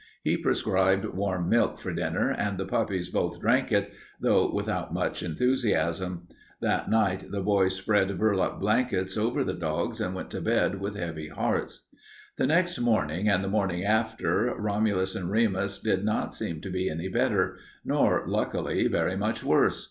He prescribed warm milk for dinner, and the puppies both drank it, though without much enthusiasm. That night the boys spread burlap blankets over the dogs and went to bed with heavy hearts. The next morning and the morning after Romulus and Remus did not seem to be any better, nor, luckily, very much worse.